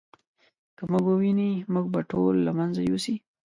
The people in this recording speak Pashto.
که موږ وویني موږ به ټول له منځه یوسي.